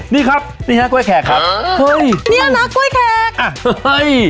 นี่ครับนี่ฮะกล้วยแขกครับเฮ้ยเนี่ยนะกล้วยแขกอ่ะเฮ้ย